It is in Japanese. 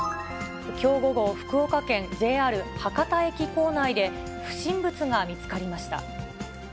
きょう午後、福岡県ＪＲ博多駅構内で、不審物が見つかりました。